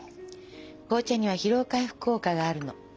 紅茶には疲労回復効果があるの。